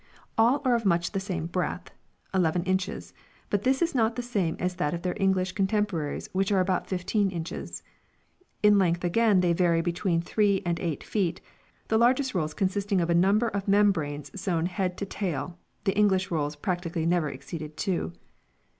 All are of much the same breadth 4 (i i inches) but this is not the same as that of their English contemporaries which are about 1 5 inches. In length again they vary between 3 and 8 feet, the largest rolls consisting of a number of membranes sewn head to tail (the Eng lish rolls practically never exceed two).